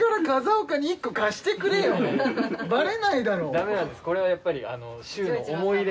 ダメなんですこれはやっぱり。